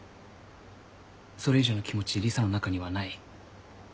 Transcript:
それ以上の気持ち理沙の中にはない？